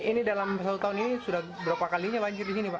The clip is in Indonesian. ini dalam satu tahun ini sudah berapa kalinya banjir di sini pak